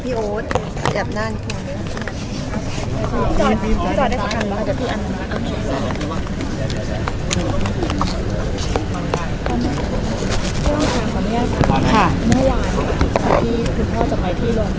ภาษาสนิทยาลัยสุดท้าย